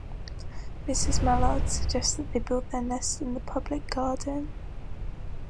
Mrs. Mallard suggests that they build their nest in the Public Garden.